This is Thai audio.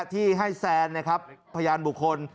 ที่ให้แซนนะครับพยานบุคคล